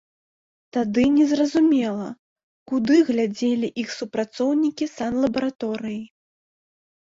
Тады не зразумела, куды глядзелі іх супрацоўнікі санлабараторыі.